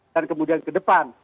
dan kemudian ke depan